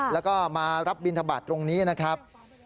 แล้วก็มารับบินทบาทตรงนี้นะครับ